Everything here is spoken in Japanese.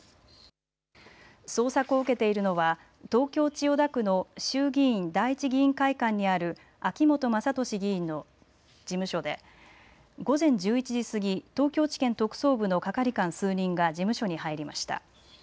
捜索を受けているのは東京・千代田区の衆議院第一議員会館にある秋本真利議員の事務所で午前１１時過ぎ東京地検特捜部の係官数人が事務所に入りました。